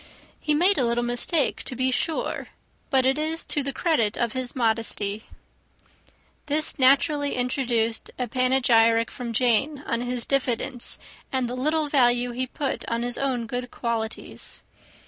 "He made a little mistake, to be sure; but it is to the credit of his modesty." This naturally introduced a panegyric from Jane on his diffidence, and the little value he put on his own good qualities.